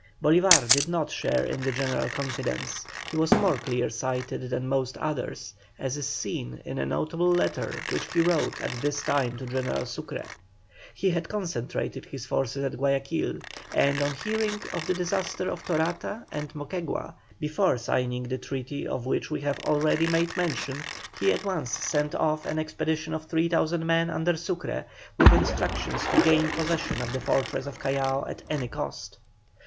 Bolívar did not share in the general confidence, he was more clear sighted than most others, as is seen in a notable letter which he wrote at this time to General Sucre. He had concentrated his forces at Guayaquil, and on hearing of the disasters of Torata and Moquegua, before signing the treaty of which we have already made mention, he at once sent off an expedition of 3,000 men under Sucre, with instructions to gain possession of the fortresses of Callao at any cost.